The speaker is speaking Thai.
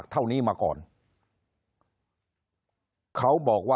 คนในวงการสื่อ๓๐องค์กร